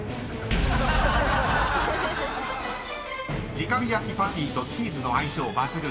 ［じか火焼きパティとチーズの相性抜群］